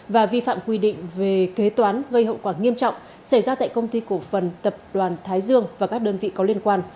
và vi phạm quy định về kế toán gây hậu quả nghiêm trọng xảy ra tại công ty cổ phần tập đoàn thái dương và các đơn vị có liên quan